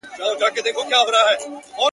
د بُت له ستوني اورمه آذان څه به کوو؟،